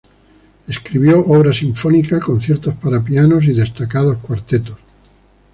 Escribió obra sinfónica, conciertos para pianos y destacados cuartetos.